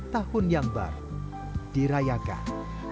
tahun yang baru dirayakan